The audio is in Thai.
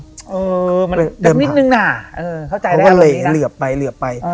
เออมันเดี๋ยวนิดนึงน่ะเข้าใจแล้วเรียบไปเรียบไป